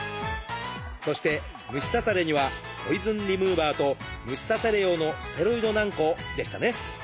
そして虫刺されにはポイズンリムーバーと虫刺され用のステロイド軟こうでしたね。